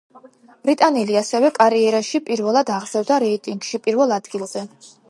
ბრიტანელი ასევე კარიერაში პირველად აღზევდა რეიტინგში პირველ ადგილზე.